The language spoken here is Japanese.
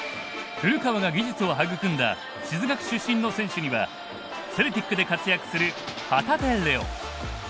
古川が技術を育んだ静学出身の選手にはセルティックで活躍する旗手怜央。